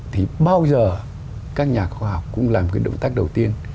thì bao giờ các nhà khoa học cũng làm cái động tác đầu tiên